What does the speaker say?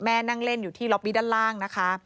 นั่งเล่นอยู่ที่ล็อบบี้ด้านล่างนะคะ